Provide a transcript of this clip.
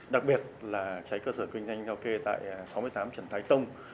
đặc biệt là cháy cơ sở kinh doanh karaoke tại sáu mươi tám trần thái tông